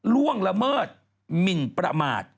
ล่วงละเมิดหมินประมาท